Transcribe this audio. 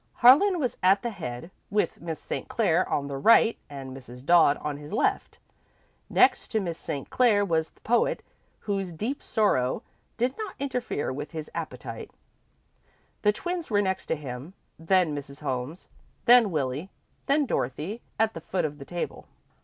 Harlan was at the head, with Miss St. Clair on his right and Mrs. Dodd on his left. Next to Miss St. Clair was the poet, whose deep sorrow did not interfere with his appetite. The twins were next to him, then Mrs. Holmes, then Willie, then Dorothy, at the foot of the table.